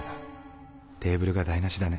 テーブルが台無しだね。